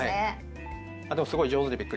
でもすごい上手でびっくりしました。